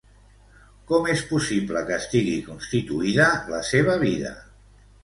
Com és possible que estigui constituïda la seva vida?